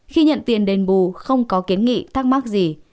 khi nhận tiền đền bù không có kiến nghị thắc mắc gì